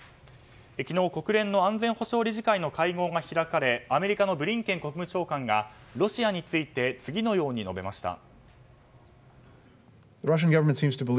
昨日、国連の安全保障理事会の会合が開かれアメリカのブリンケン国務長官がロシアについて次のように述べました。